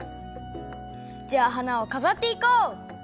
じゃあ花をかざっていこう！